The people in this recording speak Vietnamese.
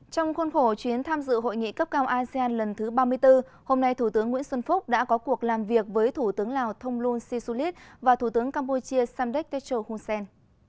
trong khuôn khổ chuyến tham dự hội nghị cấp cao asean lần thứ ba mươi bốn hôm nay thủ tướng nguyễn xuân phúc đã có cuộc làm việc với thủ tướng lào thông luân si su lít và thủ tướng campuchia samdek techo hun sen